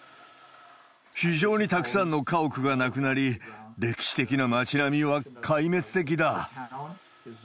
非常にたくさんの家屋がなくなり、歴史的な町並みは壊滅的だ。